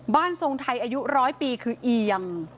บ้านทรงไทยอายุ๑๐๐ปีคือเอียง